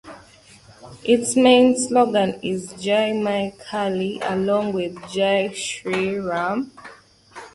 Its main slogan is "Jai Maa Kali" along with "Jai Shree Ram".